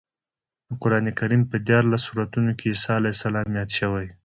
د قرانکریم په دیارلس سورتونو کې عیسی علیه السلام یاد شوی دی.